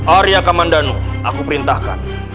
arya kamandanu aku perintahkan